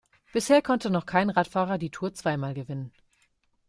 Bisher konnte noch kein Radfahrer die Tour zwei Mal gewinnen.